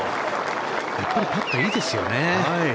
やっぱりパットいいですよね。